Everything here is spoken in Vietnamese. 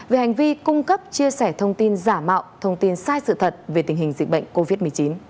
về hành vi cung cấp chia sẻ thông tin giả mạo thông tin sai sự thật về tình hình dịch bệnh covid một mươi chín